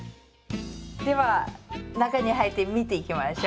では中に入って見ていきましょう。